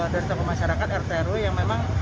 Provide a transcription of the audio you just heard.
dari tokoh masyarakat rtrw yang memang